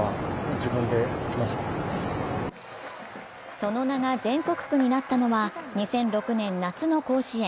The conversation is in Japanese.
その名が全国区になったのは２００６年夏の甲子園。